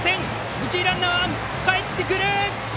一塁ランナー、かえってきた！